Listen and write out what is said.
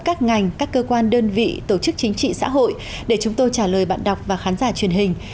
các ngành các cơ quan đơn vị tổ chức chính trị xã hội để chúng tôi trả lời bạn đọc và khán giả truyền hình